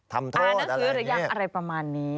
ทำโทษอะไรอย่างนี้